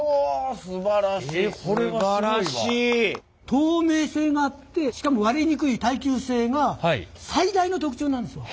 透明性があってしかも割れにくい耐久性が最大の特徴なんですわ。